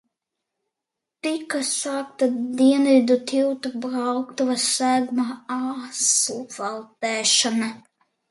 Tika sākta Dienvidu tilta brauktuves seguma asfaltēšana.